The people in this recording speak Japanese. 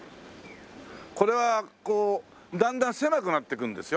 これはだんだん狭くなっていくんですよ。